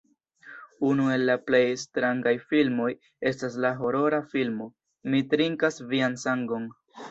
Unu el la plej strangaj filmoj estas la horora filmo "Mi trinkas vian sangon".